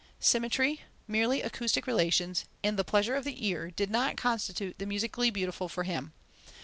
Symmetry, merely acoustic relations, and the pleasure of the ear, did not constitute the musically beautiful for him.